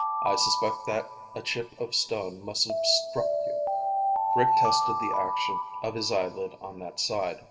I suspect that a chip of stone must have struck you." Rick tested the action of his eyelid on that side.